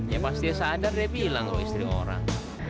ya pas dia sadar dia bilang lo istri orang